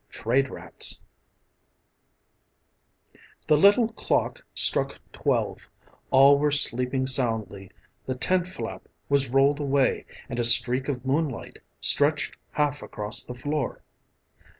TRADE RATS THE little clock struck twelve, all were sleeping soundly, the tent flap was rolled away and a streak of moonlight stretched half across the floor.